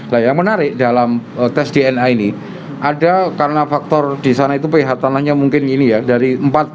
layar menarik dalam tes dna ini ada karena faktor di sana itu pihak tanahnya mungkin ini ya dari